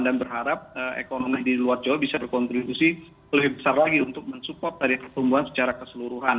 dan berharap ekonomi di luar jawa bisa berkontribusi lebih besar lagi untuk mensupport dari pertumbuhan secara keseluruhan